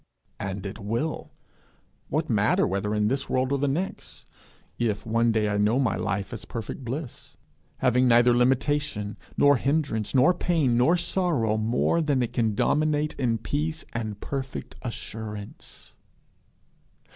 And it will! what matter whether in this world or the next, if one day I know my life as a perfect bliss, having neither limitation nor hindrance nor pain nor sorrow more than it can dominate in peace and perfect assurance?